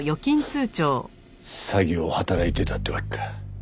詐欺を働いてたってわけか。